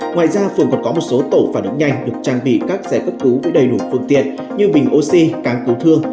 ngoài ra phường còn có một số tổ phản ứng nhanh được trang bị các giải cấp cứu với đầy đủ phương tiện như bình oxy cáng cứu thương